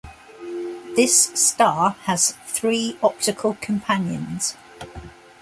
This star has three optical companions.